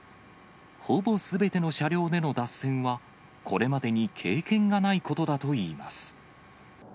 ほぼすべての車両での脱線は、これまでに経験がないことだといいます。